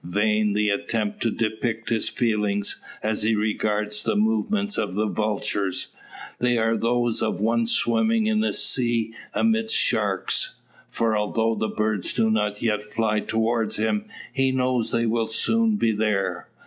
Vain the attempt to depict his feelings, as he regards the movements of the vultures. They are as those of one swimming in the sea amidst sharks. For, although the birds do not yet fly towards him, he knows they will soon be there.